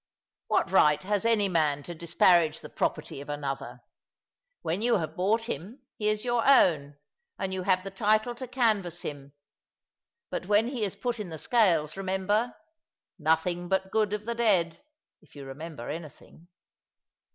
What right has any man to disparage the property of another? When you have bought him, he is your own, and you have the title to canvas him; but when he is put in the scales, remember "nothing but good of the dead," if you remember anything.